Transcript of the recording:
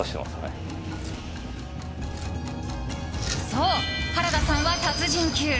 そう、原田さんは達人級。